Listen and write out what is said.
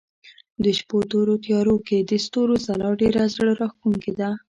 د شپو تورو تيارو کې د ستورو ځلا ډېره زړه راښکونکې ده.